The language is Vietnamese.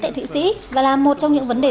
tại thụy sĩ và là một trong những vấn đề